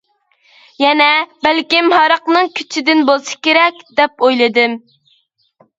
يەنە، بەلكىم ھاراقنىڭ كۈچىدىن بولسا كېرەك، دەپ ئويلىدىم.